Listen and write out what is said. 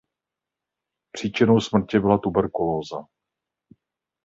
Příčinou smrti byla tuberkulóza.